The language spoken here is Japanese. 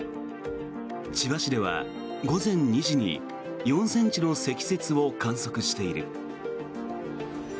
千葉市では午前２時に４ｃｍの積雪を観測している。